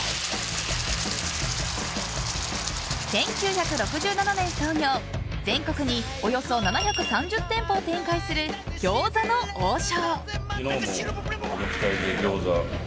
１９６７年創業全国におよそ７３０店舗を展開する餃子の王将。